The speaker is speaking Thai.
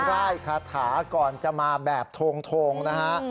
ร่ายคาถาก่อนจะมาแบบโทงนะฮะ